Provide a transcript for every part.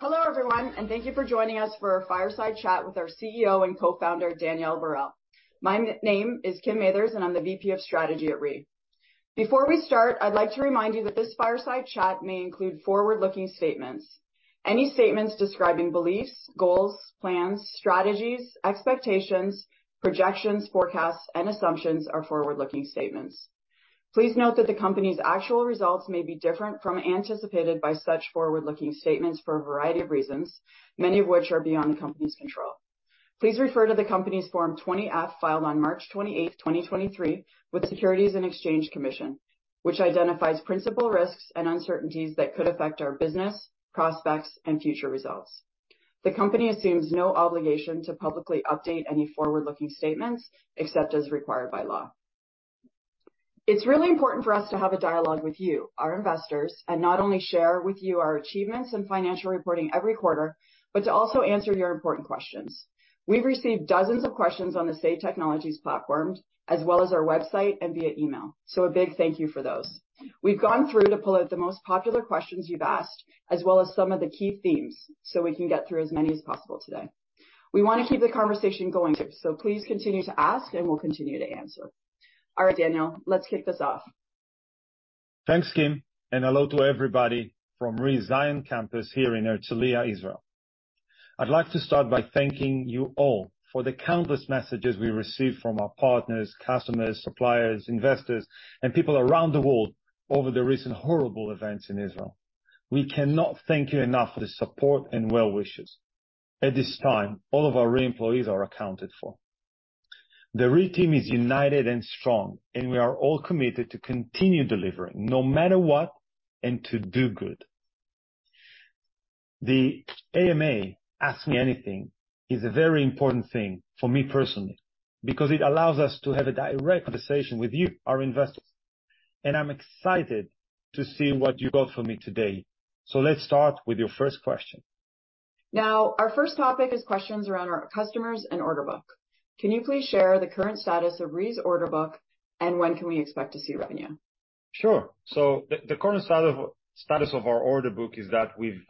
Hello, everyone, and thank you for joining us for our fireside chat with our CEO and cofounder, Daniel Barel. My name is Kim Mathers, and I'm the VP of Strategy at REE. Before we start, I'd like to remind you that this fireside chat may include forward-looking statements. Any statements describing beliefs, goals, plans, strategies, expectations, projections, forecasts, and assumptions are forward-looking statements. Please note that the company's actual results may be different from anticipated by such forward-looking statements for a variety of reasons, many of which are beyond the company's control. Please refer to the company's Form 20-F, filed on March 28th, 2023, with Securities and Exchange Commission, which identifies principal risks and uncertainties that could affect our business, prospects, and future results. The company assumes no obligation to publicly update any forward-looking statements except as required by law. It's really important for us to have a dialogue with you, our investors, and not only share with you our achievements and financial reporting every quarter, but to also answer your important questions. We've received dozens of questions on the Say Technologies platform, as well as our website and via email. So a big thank you for those. We've gone through to pull out the most popular questions you've asked, as well as some of the key themes, so we can get through as many as possible today. We wanna keep the conversation going, so please continue to ask, and we'll continue to answer. All right, Daniel, let's kick this off. Thanks, Kim, and hello to everybody from REE Design campus here in Herzliya, Israel. I'd like to start by thanking you all for the countless messages we received from our partners, customers, suppliers, investors, and people around the world over the recent horrible events in Israel. We cannot thank you enough for the support and well wishes. At this time, all of our REE employees are accounted for. The REE team is united and strong, and we are all committed to continue delivering no matter what and to do good. The AMA, Ask Me Anything, is a very important thing for me personally because it allows us to have a direct conversation with you, our investors, and I'm excited to see what you got for me today. Let's start with your first question. Now, our first topic is questions around our customers and order book. Can you please share the current status of REE's order book, and when can we expect to see revenue? Sure. So the current status of our order book is that we've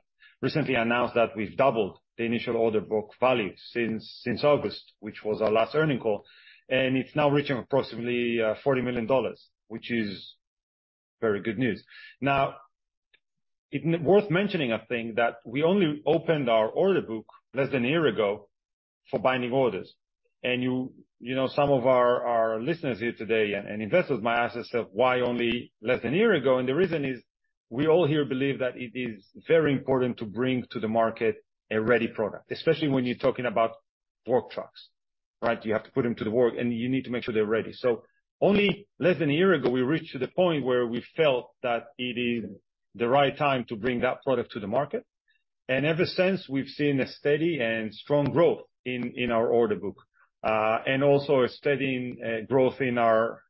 recently announced that we've doubled the initial order book value since August, which was our last earnings call, and it's now reaching approximately $40 million, which is very good news. Now, it's worth mentioning, I think, that we only opened our order book less than a year ago for binding orders. And you know, some of our listeners here today and investors might ask themselves, why only less than a year ago? And the reason is, we all here believe that it is very important to bring to the market a ready product, especially when you're talking about work trucks, right? You have to put them to the work, and you need to make sure they're ready. So only less than a year ago, we reached to the point where we felt that it is the right time to bring that product to the market, and ever since, we've seen a steady and strong growth in our order book, and also a steady growth in our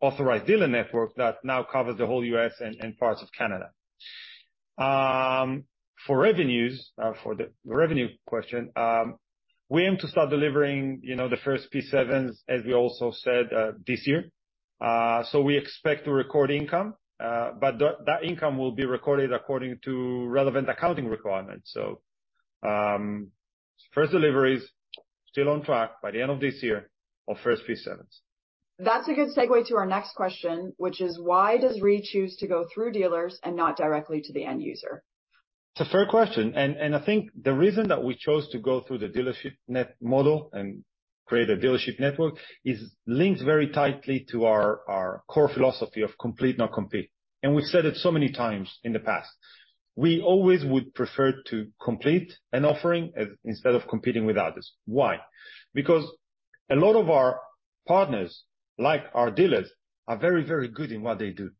authorized dealer network that now covers the whole U.S. and parts of Canada. For revenues, for the revenue question, we aim to start delivering, you know, the first P7s, as we also said, this year. So we expect to record income, but that income will be recorded according to relevant accounting requirements. First delivery is still on track by the end of this year of first P7s. That's a good segue to our next question, which is: Why does REE choose to go through dealers and not directly to the end user? It's a fair question, and I think the reason that we chose to go through the dealership network model and create a dealership network is linked very tightly to our core philosophy of complement, not compete. And we've said it so many times in the past. We always would prefer to complement an offering instead of competing with others. Why? Because a lot of our partners, like our dealers, are very, very good in what they do,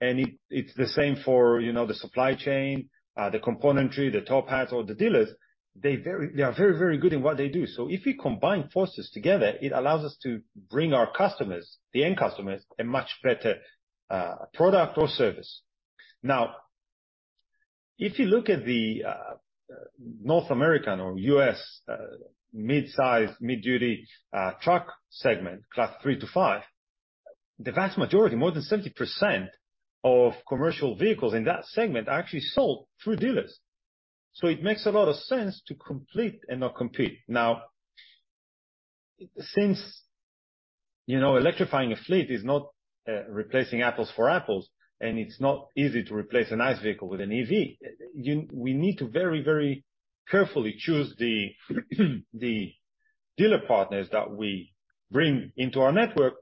and it's the same for, you know, the supply chain, the componentry, the top hats, or the dealers. They are very, very good in what they do. So if we combine forces together, it allows us to bring our customers, the end customers, a much better product or service. Now, if you look at the North American or U.S. mid-size, mid-duty truck segment, Class 3-5, the vast majority, more than 70% of commercial vehicles in that segment, are actually sold through dealers. So it makes a lot of sense to complete and not compete. Now, since, you know, electrifying a fleet is not replacing apples for apples, and it's not easy to replace a nice vehicle with an EV, we need to very, very carefully choose the dealer partners that we bring into our network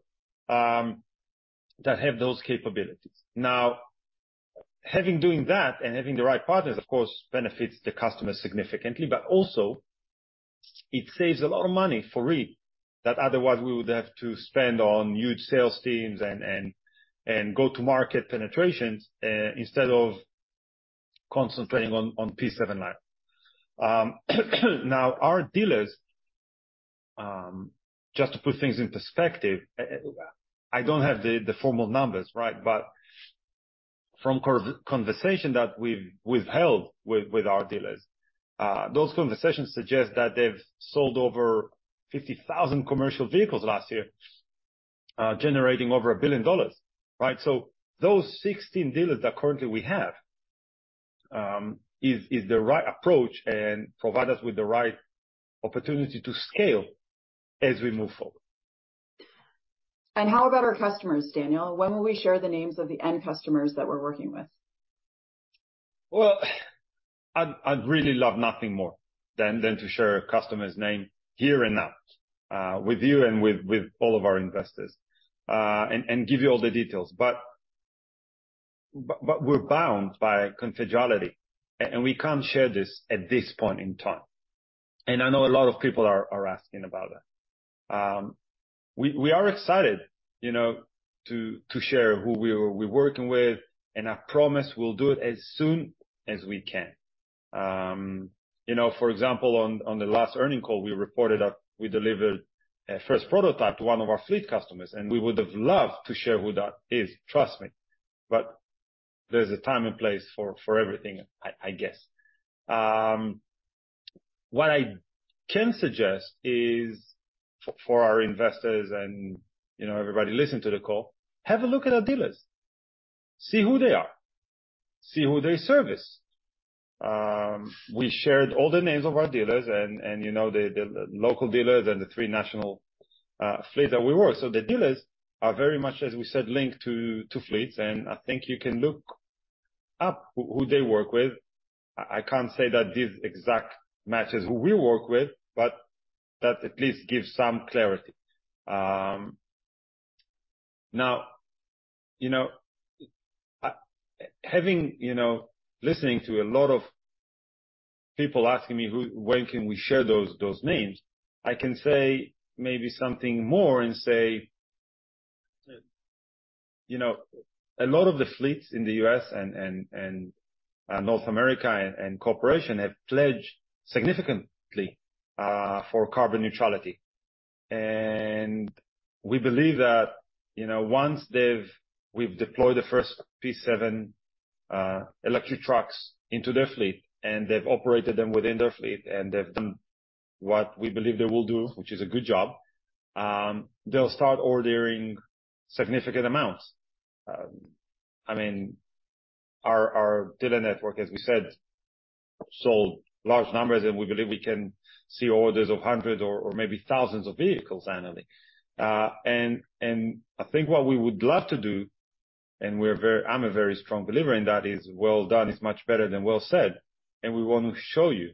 that have those capabilities. Now, having doing that and having the right partners, of course, benefits the customer significantly, but also it saves a lot of money for REE, that otherwise we would have to spend on huge sales teams and go-to-market penetrations, instead of concentrating on P7 line. Now, our dealers, just to put things in perspective, I don't have the formal numbers, right? But from conversation that we've held with our dealers, those conversations suggest that they've sold over 50,000 commercial vehicles last year, generating over $1 billion, right? So those 16 dealers that currently we have is the right approach and provide us with the right opportunity to scale as we move forward. How about our customers, Daniel? When will we share the names of the end customers that we're working with? Well, I'd really love nothing more than to share a customer's name here and now with you and with all of our investors and give you all the details. But we're bound by confidentiality and we can't share this at this point in time. And I know a lot of people are asking about that. We are excited, you know, to share who we're working with, and I promise we'll do it as soon as we can. You know, for example, on the last earnings call, we reported that we delivered a first prototype to one of our fleet customers, and we would have loved to share who that is, trust me. But there's a time and place for everything, I guess. What I can suggest is for our investors, and, you know, everybody listening to the call: have a look at our dealers. See who they are. See who they service. We shared all the names of our dealers and, and, you know, the, the, the local dealers and the three national fleet that we were. So the dealers are very much, as we said, linked to fleets, and I think you can look up who they work with. I can't say that this exact matches who we work with, but that at least gives some clarity. Now, you know, listening to a lot of people asking me who—when can we share those, those names, I can say maybe something more and say, you know, a lot of the fleets in the U.S. and North America and corporation have pledged significantly for carbon neutrality. And we believe that, you know, once they've—we've deployed the first P7 electric trucks into their fleet, and they've operated them within their fleet, and they've done what we believe they will do, which is a good job, they'll start ordering significant amounts. I mean, our dealer network, as we said, sold large numbers, and we believe we can see orders of hundreds or maybe thousands of vehicles annually. And I think what we would love to do, and we're very... I'm a very strong believer in that well done is much better than well said, and we want to show you,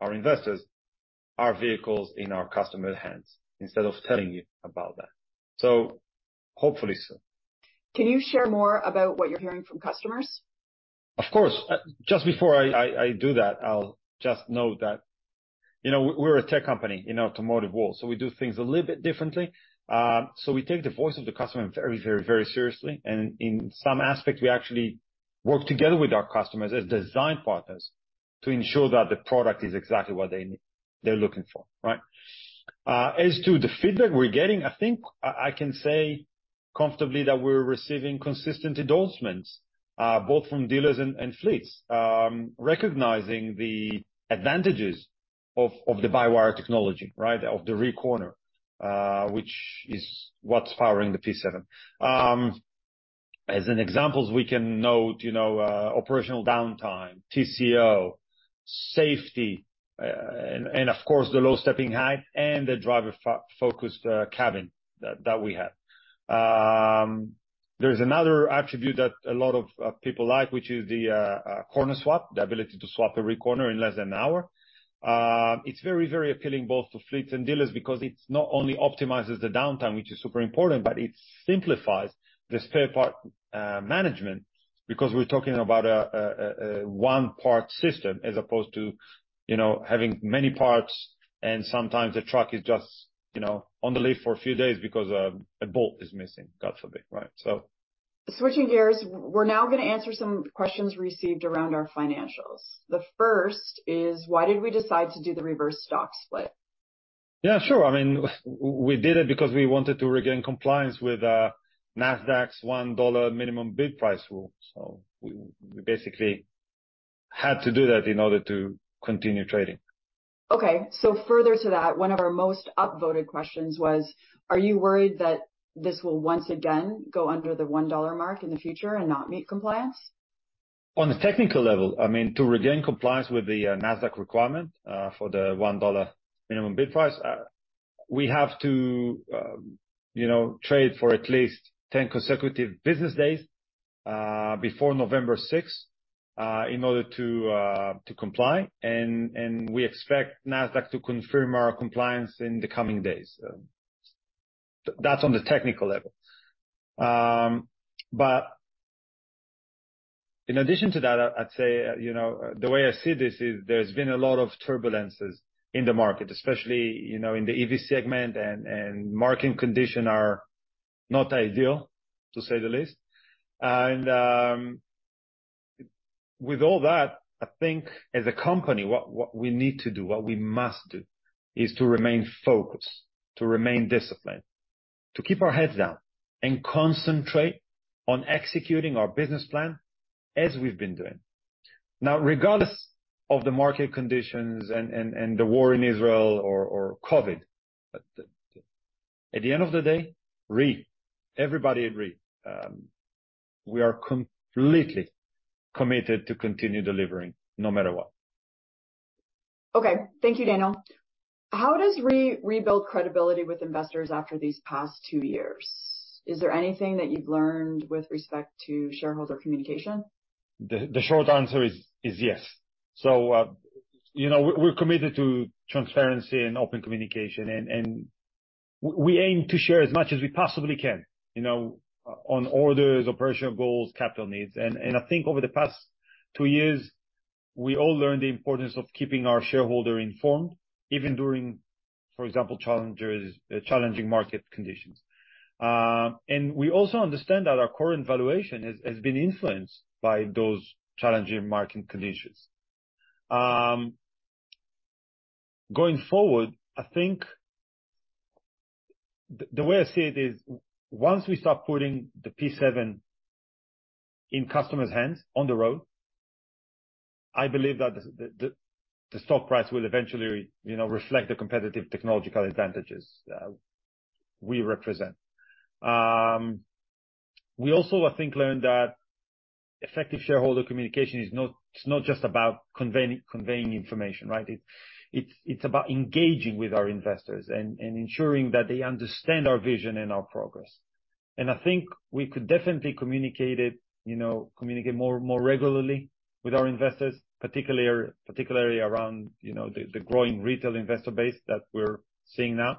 our investors, our vehicles in our customers' hands, instead of telling you about that, so hopefully soon. Can you share more about what you're hearing from customers? Of course. Just before I do that, I'll just note that, you know, we're a tech company in automotive world, so we do things a little bit differently. So we take the voice of the customer very, very, very seriously, and in some aspects, we actually work together with our customers as design partners to ensure that the product is exactly what they need—they're looking for, right? As to the feedback we're getting, I think I can say comfortably that we're receiving consistent endorsements, both from dealers and fleets, recognizing the advantages of the by-wire technology, right? Of the REEcorner, which is what's powering the P7. As in examples, we can note, you know, operational downtime, TCO, safety, and, of course, the low stepping height and the driver-focused cabin that we have. There's another attribute that a lot of people like, which is the corner swap, the ability to swap a REEcorner in less than an hour. It's very, very appealing both to fleets and dealers because it not only optimizes the downtime, which is super important, but it simplifies the spare part management, because we're talking about a one-part system as opposed to, you know, having many parts, and sometimes the truck is just, you know, on the lift for a few days because a bolt is missing, God forbid, right? So- Switching gears, we're now gonna answer some questions received around our financials. The first is: why did we decide to do the reverse stock split? Yeah, sure. I mean, we did it because we wanted to regain compliance with Nasdaq's $1 minimum bid price rule. So we basically had to do that in order to continue trading. Okay. Further to that, one of our most upvoted questions was: Are you worried that this will once again go under the $1 mark in the future and not meet compliance? On a technical level, I mean, to regain compliance with the, Nasdaq requirement, for the $1 minimum bid price, we have to, you know, trade for at least 10 consecutive business days, before November sixth, in order to, to comply, and, and we expect Nasdaq to confirm our compliance in the coming days. That's on the technical level. But in addition to that, I'd, I'd say, you know, the way I see this is there's been a lot of turbulences in the market, especially, you know, in the EV segment, and, and market condition are not ideal, to say the least. And, with all that, I think as a company, what, what we need to do, what we must do, is to remain focused, to remain disciplined, to keep our heads down and concentrate on executing our business plan. As we've been doing. Now, regardless of the market conditions and the war in Israel or COVID, at the end of the day, REE, everybody at REE, we are completely committed to continue delivering, no matter what. Okay. Thank you, Daniel. How does REE rebuild credibility with investors after these past two years? Is there anything that you've learned with respect to shareholder communication? The short answer is yes. So, you know, we're committed to transparency and open communication, and we aim to share as much as we possibly can, you know, on orders, operational goals, capital needs. And I think over the past two years, we all learned the importance of keeping our shareholder informed, even during, for example, challenging market conditions. And we also understand that our current valuation has been influenced by those challenging market conditions. Going forward, I think the way I see it is, once we start putting the P7 in customers' hands on the road, I believe that the stock price will eventually, you know, reflect the competitive technological advantages we represent. We also, I think, learned that effective shareholder communication is not, it's not just about conveying information, right? It's about engaging with our investors and ensuring that they understand our vision and our progress. And I think we could definitely communicate it, you know, communicate more regularly with our investors, particularly around, you know, the growing retail investor base that we're seeing now.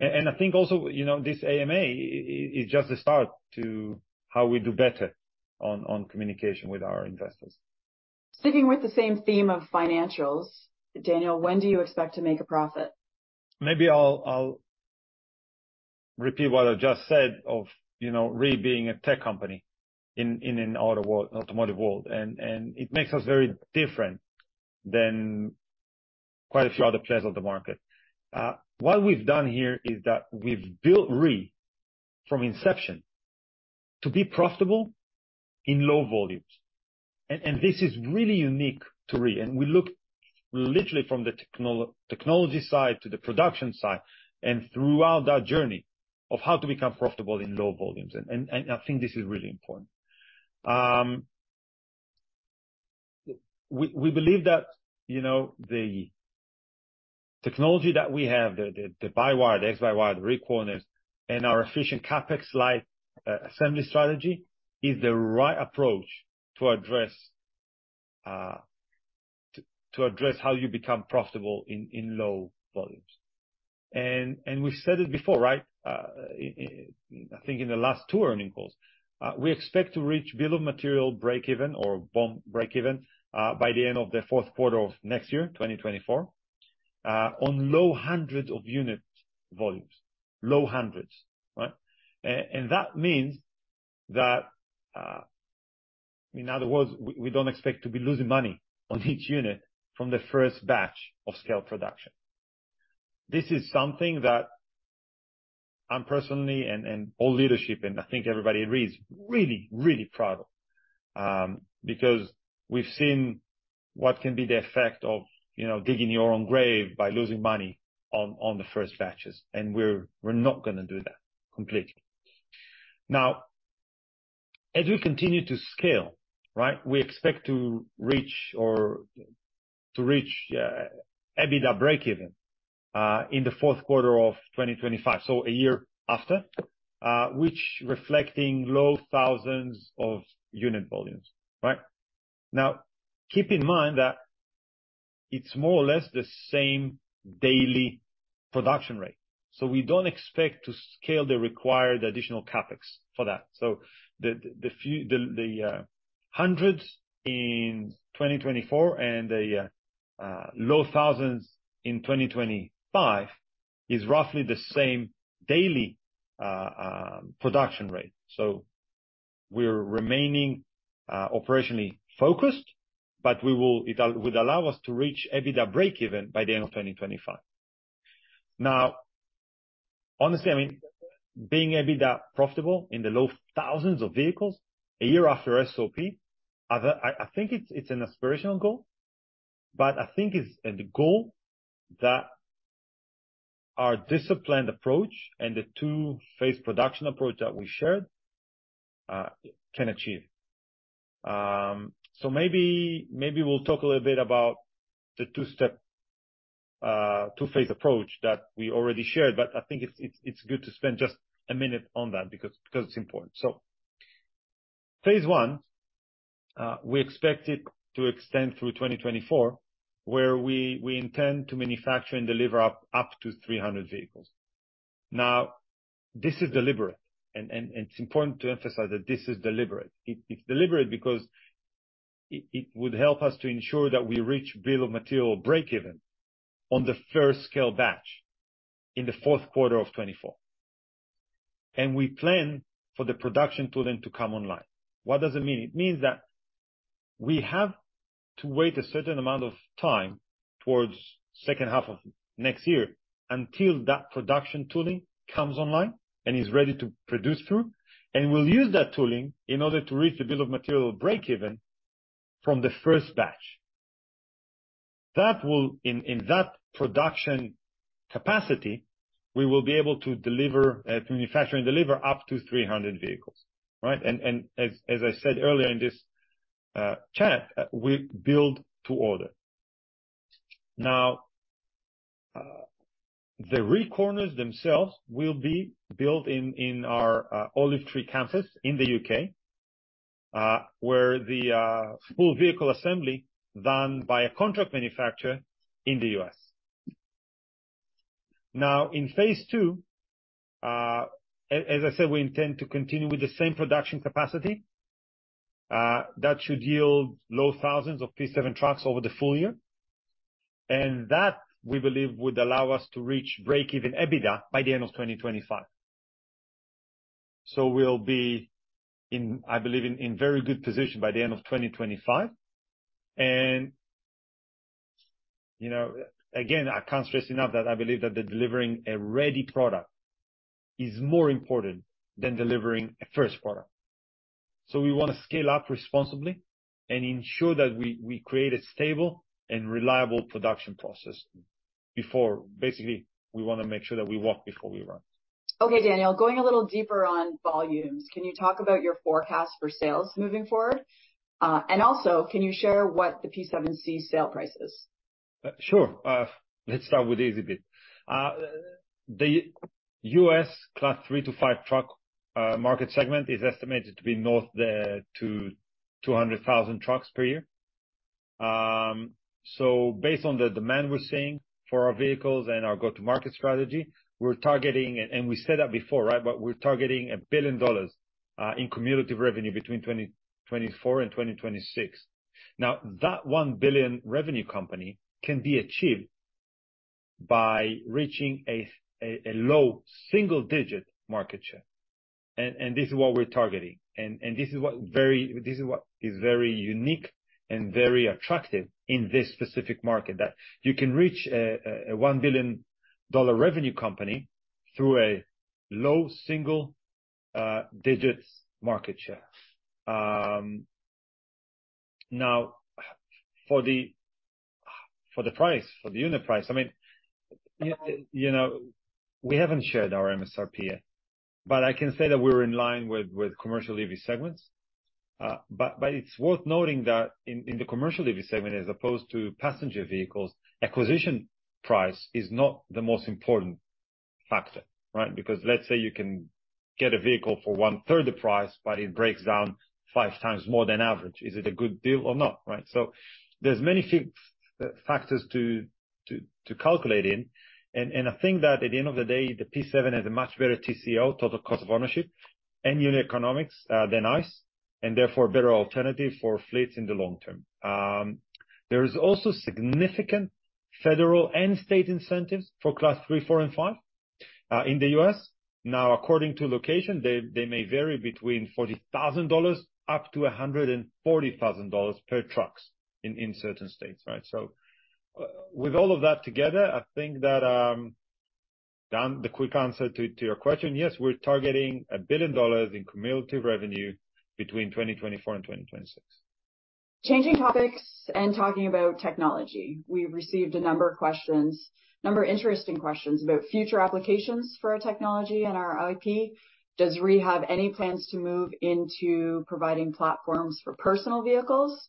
And I think also, you know, this AMA is just a start to how we do better on communication with our investors. Sticking with the same theme of financials, Daniel, when do you expect to make a profit? Maybe I'll repeat what I just said, you know, REE being a tech company in an automotive world, and it makes us very different than quite a few other players on the market. What we've done here is that we've built REE from inception to be profitable in low volumes. And this is really unique to REE, and we look literally from the technology side to the production side, and throughout that journey of how to become profitable in low volumes. And I think this is really important. We believe that, you know, the technology that we have, the by-wire, X-by-wire requirements, and our efficient CapEx-light assembly strategy, is the right approach to address how you become profitable in low volumes. We said it before, right? I think in the last two earnings calls. We expect to reach Bill of Material break even, or BOM break even, by the end of the fourth quarter of next year, 2024, on low hundreds of unit volumes. Low hundreds, right? And that means that... In other words, we don't expect to be losing money on each unit from the first batch of scale production. This is something that I'm personally, and all leadership, and I think everybody at REE is really, really proud of, because we've seen what can be the effect of, you know, digging your own grave by losing money on the first batches, and we're not gonna do that, completely. Now, as we continue to scale, right? We expect to reach, or to reach, EBITDA break even in the fourth quarter of 2025, so a year after, which reflecting low thousands of unit volumes, right? Now, keep in mind that it's more or less the same daily production rate, so we don't expect to scale the required additional CapEx for that. So the few hundreds in 2024 and the low thousands in 2025 is roughly the same daily production rate. So we're remaining operationally focused, but we will... It will allow us to reach EBITDA break even by the end of 2025. Now, honestly, I mean, being EBITDA profitable in the low thousands of vehicles a year after SOP, I think it's an aspirational goal, but I think it's... And the goal that our disciplined approach and the two-phase production approach that we shared can achieve. So maybe, maybe we'll talk a little bit about the two-step, two-phase approach that we already shared, but I think it's good to spend just a minute on that because it's important. So phase I, we expect it to extend through 2024, where we intend to manufacture and deliver up to 300 vehicles. Now, this is deliberate, and it's important to emphasize that this is deliberate. It's deliberate because it would help us to ensure that we reach Bill of Material break even on the first scale batch in the fourth quarter of 2024. And we plan for the production tooling to come online. What does it mean? It means that we have to wait a certain amount of time towards second half of next year, until that production tooling comes online and is ready to produce through. And we'll use that tooling in order to reach the bill of material breakeven from the first batch. That will, in that production capacity, we will be able to deliver to manufacture and deliver up to 300 vehicles, right? And, as I said earlier in this chat, we build to order. Now, the REEcorners themselves will be built in our Olive Tree campus in the U.K., where the full vehicle assembly done by a contract manufacturer in the U.S. Now, in phase II, as I said, we intend to continue with the same production capacity. That should yield low thousands of P7 trucks over the full year, and that, we believe, would allow us to reach breakeven EBITDA by the end of 2025. So we'll be in. I believe in very good position by the end of 2025. And, you know, again, I can't stress enough that I believe that the delivering a ready product is more important than delivering a first product. So we wanna scale up responsibly and ensure that we create a stable and reliable production process before... Basically, we wanna make sure that we walk before we run. Okay, Daniel, going a little deeper on volumes, can you talk about your forecast for sales moving forward? And also, can you share what the P7-C sale price is? Sure. Let's start with the easy bit. The U.S. Class 3-5 truck market segment is estimated to be north to 200,000 trucks per year. So based on the demand we're seeing for our vehicles and our go-to-market strategy, we're targeting—and we said that before, right? But we're targeting $1 billion in cumulative revenue between 2024 and 2026. Now, that $1 billion revenue company can be achieved by reaching a low single-digit market share, and this is what we're targeting. And this is what is very unique and very attractive in this specific market, that you can reach a $1 billion revenue company through a low single digits market share. Now, for the price, for the unit price, I mean, you know, we haven't shared our MSRP, but I can say that we're in line with commercial EV segments. But it's worth noting that in the commercial EV segment, as opposed to passenger vehicles, acquisition price is not the most important factor, right? Because let's say you can get a vehicle for 1/3 the price, but it breaks down five times more than average. Is it a good deal or not, right? So there's many factors to calculate in, and I think that at the end of the day, the P7 has a much better TCO, total cost of ownership, and unit economics than ICE, and therefore a better alternative for fleets in the long term. There is also significant federal and state incentives for Class 3, 4, and 5 in the U.S. Now, according to location, they may vary between $40,000 up to $140,000 per trucks in certain states, right? So with all of that together, I think that, Dan, the quick answer to your question, yes, we're targeting $1 billion in cumulative revenue between 2024 and 2026. Changing topics and talking about technology. We received a number of questions, a number of interesting questions about future applications for our technology and our IP. Does REE have any plans to move into providing platforms for personal vehicles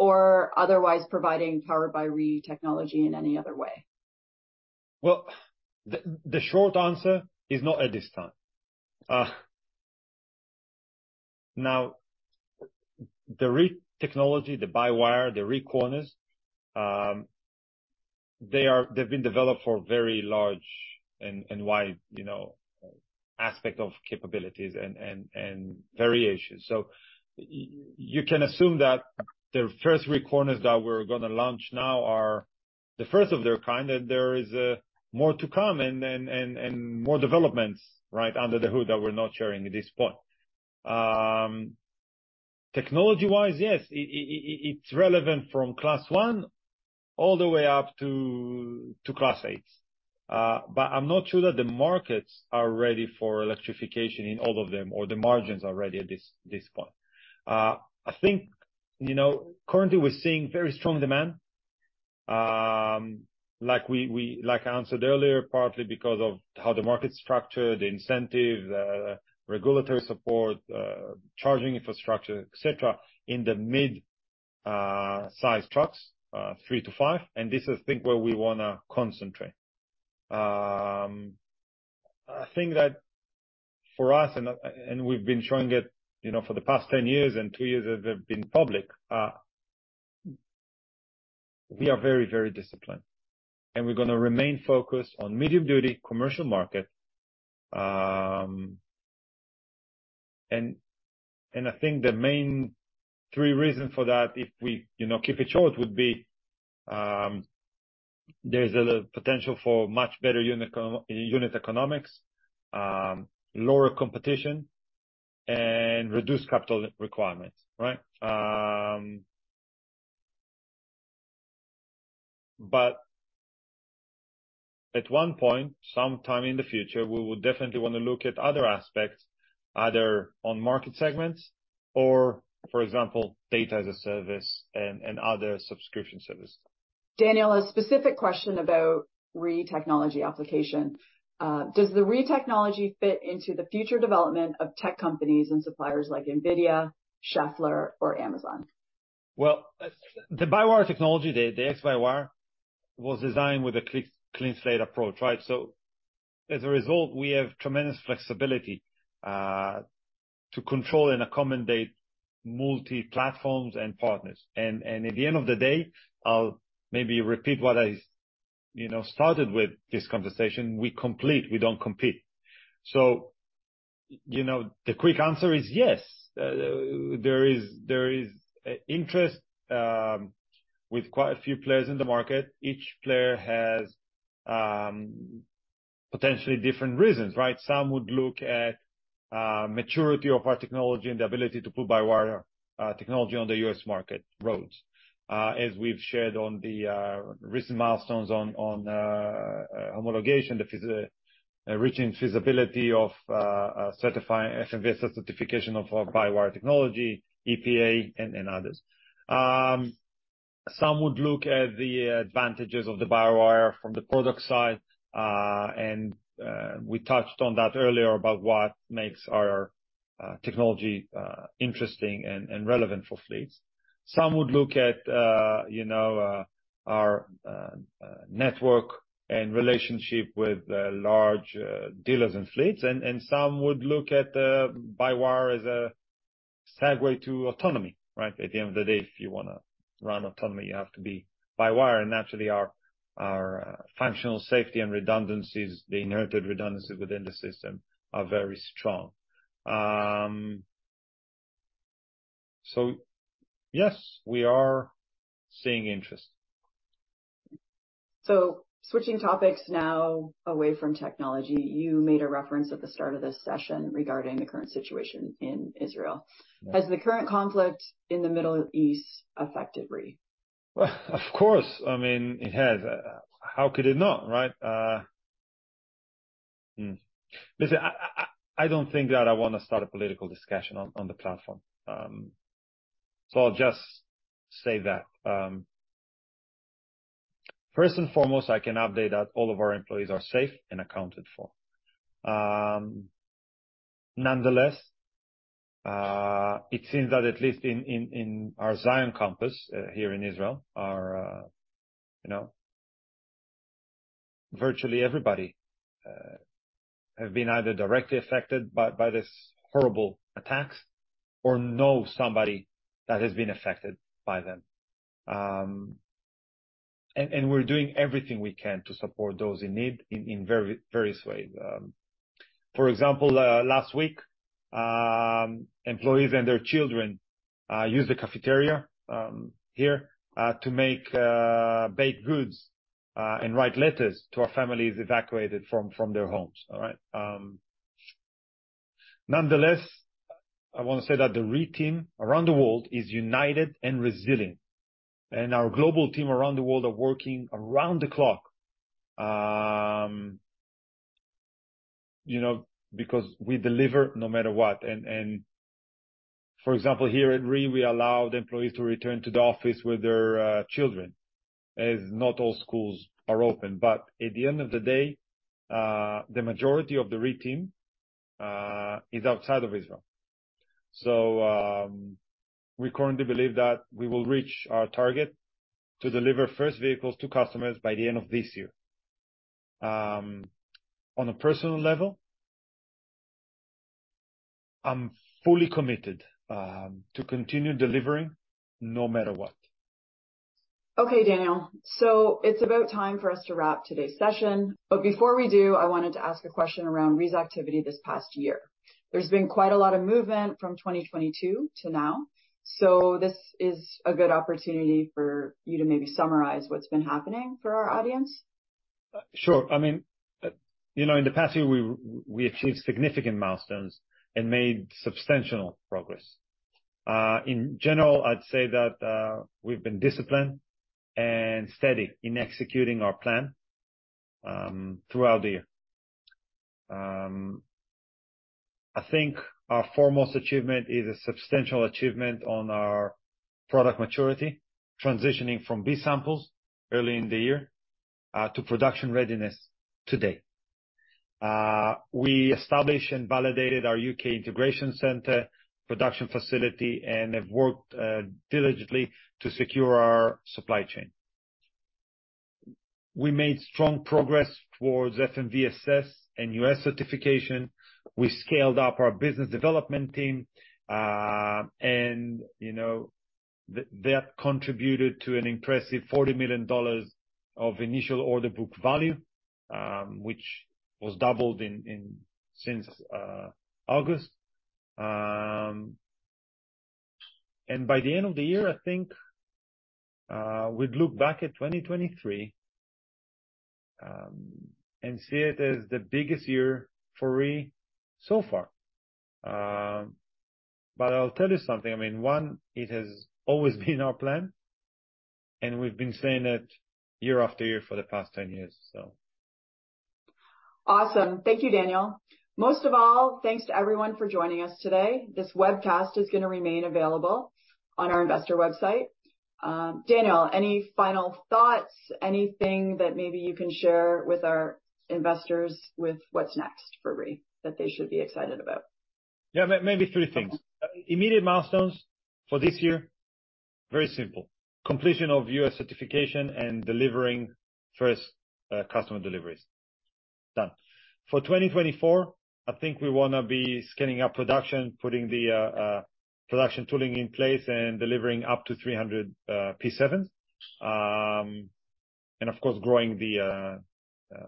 or otherwise providing Powered by REE technology in any other way? Well, the short answer is not at this time. Now, the REE technology, the by-wire, the REEcorners, they've been developed for very large and wide, you know, aspect of capabilities and variations. So you can assume that the first REEcorners that we're gonna launch now are the first of their kind, and there is more to come and then more developments, right under the hood that we're not sharing at this point. Technology-wise, yes, it's relevant from Class 1 all the way up to Class 8. But I'm not sure that the markets are ready for electrification in all of them, or the margins are ready at this point. I think, you know, currently, we're seeing very strong demand, like I answered earlier, partly because of how the market's structured, the incentive, regulatory support, charging infrastructure, et cetera, in the mid-size trucks, three to five, and this is, I think, where we wanna concentrate. I think that for us, we've been showing it, you know, for the past 10 years and two years that we've been public, we are very, very disciplined, and we're gonna remain focused on medium-duty commercial market. I think the main three reasons for that, if we, you know, keep it short, would be, there's a potential for much better unit economics, lower competition, and reduced capital requirements, right? But at one point, sometime in the future, we will definitely wanna look at other aspects, either on market segments or, for example, data as a service and other subscription services. Daniel, a specific question about REE technology application. Does the REE technology fit into the future development of tech companies and suppliers like NVIDIA, Schaeffler, or Amazon? Well, the by-wire technology, the X-by-wire, was designed with a clean slate approach, right? So as a result, we have tremendous flexibility to control and accommodate multi-platforms and partners. And at the end of the day, I'll maybe repeat what I, you know, started with this conversation: we complement, we don't compete. So, you know, the quick answer is yes. There is interest with quite a few players in the market. Each player has potentially different reasons, right? Some would look at maturity of our technology and the ability to put by-wire technology on the U.S. market roads. As we've shared on the recent milestones on homologation, reaching feasibility of certifying FMVSS certification of our by-wire technology, EPA, and others. Some would look at the advantages of the by-wire from the product side, and we touched on that earlier about what makes our technology interesting and relevant for fleets. Some would look at, you know, our network and relationship with large dealers and fleets, and some would look at the by-wire as a segue to autonomy, right? At the end of the day, if you wanna run autonomy, you have to be by-wire, and naturally, our functional safety and redundancies, the inherited redundancy within the system are very strong. So yes, we are seeing interest. Switching topics now away from technology. You made a reference at the start of this session regarding the current situation in Israel. Yeah. Has the current conflict in the Middle East affected REE? Well, of course, I mean, it has. How could it not, right? Listen, I don't think that I wanna start a political discussion on the platform. So I'll just say that first and foremost, I can update that all of our employees are safe and accounted for. Nonetheless, it seems that at least in our Zion campus here in Israel, you know, virtually everybody have been either directly affected by this horrible attacks or know somebody that has been affected by them. And we're doing everything we can to support those in need in very various ways. For example, last week, employees and their children used the cafeteria here to make baked goods and write letters to our families evacuated from their homes. All right? Nonetheless, I wanna say that the REE team around the world is united and resilient, and our global team around the world are working around the clock. You know, because we deliver no matter what. And for example, here at REE, we allow the employees to return to the office with their children, as not all schools are open. But at the end of the day, the majority of the REE team is outside of Israel. So, we currently believe that we will reach our target to deliver first vehicles to customers by the end of this year. On a personal level, I'm fully committed to continue delivering no matter what. Okay, Daniel. So it's about time for us to wrap today's session, but before we do, I wanted to ask a question around REE's activity this past year. There's been quite a lot of movement from 2022 to now, so this is a good opportunity for you to maybe summarize what's been happening for our audience. Sure. I mean, you know, in the past year, we achieved significant milestones and made substantial progress. In general, I'd say that we've been disciplined and steady in executing our plan throughout the year. I think our foremost achievement is a substantial achievement on our product maturity, transitioning from B samples early in the year to production readiness today. We established and validated our U.K. integration center, production facility, and have worked diligently to secure our supply chain. We made strong progress towards FMVSS and U.S. certification. We scaled up our business development team, and you know, that contributed to an impressive $40 million of initial order book value, which was doubled since August. By the end of the year, I think, we'd look back at 2023 and see it as the biggest year for REE so far. But I'll tell you something, I mean, one, it has always been our plan, and we've been saying it year after year for the past 10 years, so. Awesome! Thank you, Daniel. Most of all, thanks to everyone for joining us today. This webcast is gonna remain available on our investor website. Daniel, any final thoughts? Anything that maybe you can share with our investors with what's next for REE, that they should be excited about? Yeah, maybe three things. Immediate milestones for this year, very simple: completion of U.S. certification and delivering first customer deliveries. Done. For 2024, I think we wanna be scaling up production, putting the production tooling in place and delivering up to 300 P7, and of course, growing the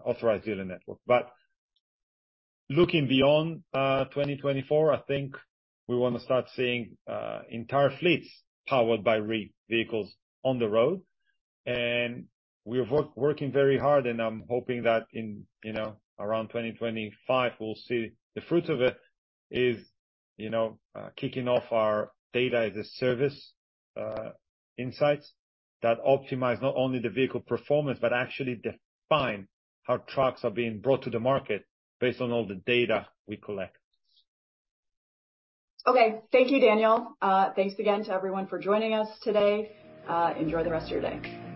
authorized dealer network. But looking beyond 2024, I think we wanna start seeing entire fleets powered by REE vehicles on the road. And we're working very hard, and I'm hoping that in, you know, around 2025, we'll see the fruits of it is, you know, kicking off our data as a service insights that optimize not only the vehicle performance, but actually define how trucks are being brought to the market based on all the data we collect. Okay. Thank you, Daniel. Thanks again to everyone for joining us today. Enjoy the rest of your day.